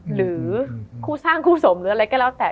หรือคู่สร้างคู่สมหรืออะไรก็แล้วแต่